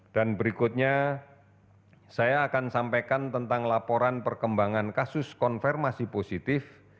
dan berikutnya saya akan sampaikan tentang laporan perkembangan kasus konfirmasi positif